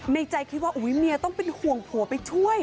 ในใจคิดว่าเมียต้องเป็นห่วงผัวไปช่วย